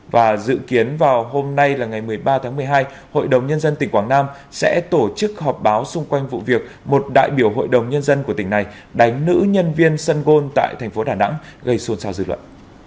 và dự kiến vào hôm nay là ngày một mươi ba tháng một mươi hai hội đồng nhân dân tỉnh quảng nam sẽ tổ chức họp báo xung quanh vụ việc một đại biểu hội đồng nhân dân của tỉnh này đánh nữ nhân viên sân gôn tại tp đà nẵng gây xôn xao dư luận